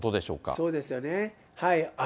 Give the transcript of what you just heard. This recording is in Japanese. そうですよね。